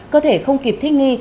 cơ thể không kịp thích nghi